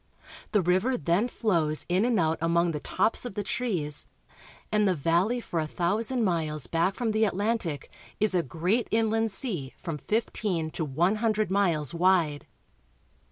The river then flows in and out among the tops of the trees, and the valley for a thousand miles back from the Atlantic is a great inland sea from fifteen to one hundred miles wide.